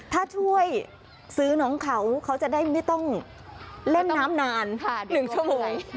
ถ้าช่วยซื้อน้องเขาเขาจะได้ไม่ต้องเล่นน้ำนาน๑ชั่วโมง